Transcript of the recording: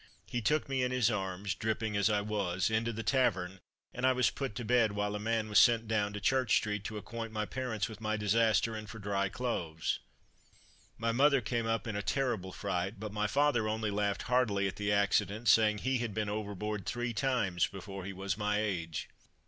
He took me in his arms dripping as I was, into the tavern and I was put to bed, while a man was sent down to Church street, to acquaint my parents with my disaster, and for dry clothes. My mother came up in a terrible fright, but my father only laughed heartily at the accident, saying he had been overboard three times before he was my age.